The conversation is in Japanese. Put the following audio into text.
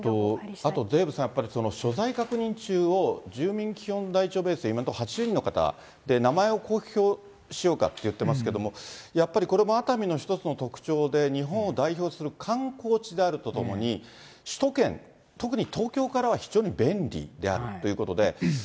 あとデーブさん、やっぱり所在確認中を、住民基本台帳ベースで、今のところ８０人の方、名前を公表しようかっていってますけども、やっぱりこれも熱海の一つの特徴で、日本を代表する観光地であるとともに、首都圏、特に東京からは非常に便利であるということで。